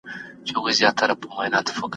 مسلمان او ذمي دواړه خوندي دي.